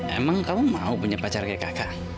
emang kamu mau punya pacar kayak kakak